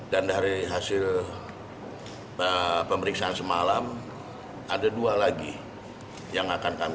dan dari hasil pemeriksaan semalam ada dua lagi yang akan kami